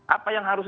apa yang harus